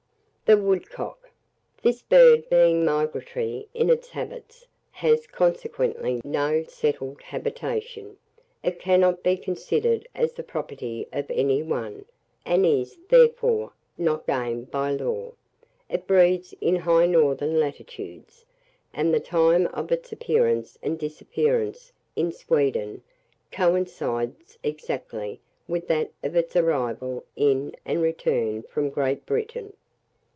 [Illustration: THE WOODCOCK.] THE WOODCOCK. This bird being migratory in its habits, has, consequently, no settled habitation; it cannot be considered as the property of any one, and is, therefore, not game by law. It breeds in high northern latitudes, and the time of its appearance and disappearance in Sweden coincides exactly with that of its arrival in and return from Great Britain.